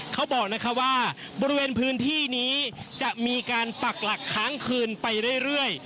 เขาบอกนะคะว่าบริเวณพื้นที่นี้จะมีการปักหลักค้างคืนไปเรื่อย